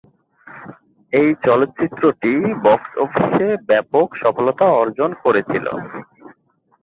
এই চলচ্চিত্রটি বক্স অফিসে ব্যাপক সফলতা অর্জন করেছিল।